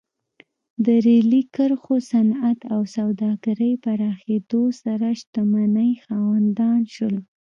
د ریلي کرښو، صنعت او سوداګرۍ پراخېدو سره شتمنۍ خاوندان شول.